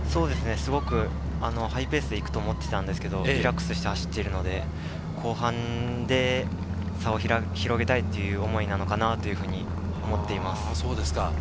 すごくハイペースで行くと思っていたんですけど、リラックスして走っているので、後半で差を広げたいっていう思いなのかなと思っています。